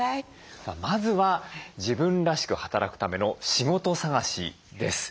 まずは自分らしく働くための仕事探しです。